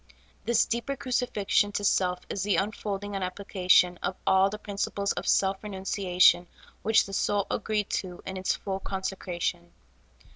This deeper crucifixion to self is the unfolding and application of all the prin ciples of self renunciation which the soul agreed to in its full consecration.